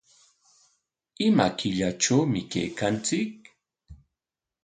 ¿Ima killatrawmi kaykanchik?